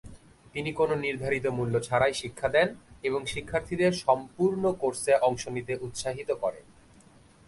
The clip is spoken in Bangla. তিনি কোনও নির্ধারিত মূল্য ছাড়াই শিক্ষা দেন এবং শিক্ষার্থীদের সম্পূর্ণ কোর্সে অংশ নিতে উত্সাহিত করে।